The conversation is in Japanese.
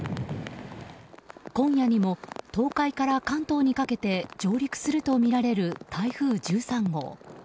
今夜にも東海から関東にかけて上陸するとみられる台風１３号。